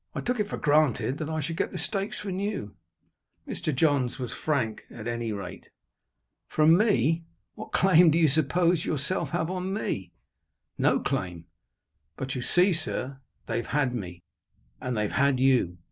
"I took it for granted that I should get the stakes from you." Mr. Johns was frank, at any rate. "From me? What claim did you suppose yourself to have on me?" "No claim; but you see, sir, they've had me, and they've had you.